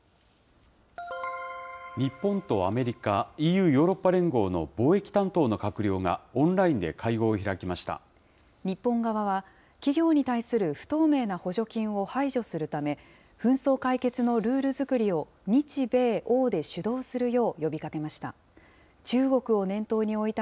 日本とアメリカ、ＥＵ・ヨーロッパ連合の貿易担当の閣僚がオンラインで会合を開き日本側は、企業に対する不透明な補助金を排除するため、紛争解決のルール作りを日米欧で主導するよう呼びかけました。